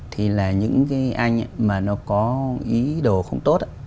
thì là những cái anh mà nó có ý đồ không tốt